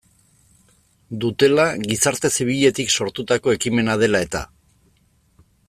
Dutela, gizarte zibiletik sortutako ekimena dela eta.